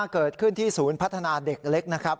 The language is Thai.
เกิดขึ้นที่ศูนย์พัฒนาเด็กเล็กนะครับ